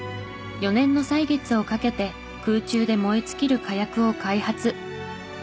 ４年の歳月をかけて空中で燃え尽きる火薬を開発。